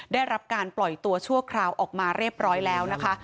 ได้รับการปล่อยตัวชั่วคราวออกมาเรียบร้อยแล้วนะคะ